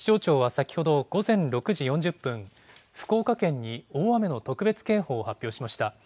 先ほど、午前６時４０分、福岡県に大雨の特別警報を発表しました。